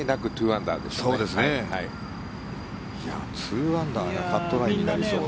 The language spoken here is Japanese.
２アンダーがカットラインになりそう。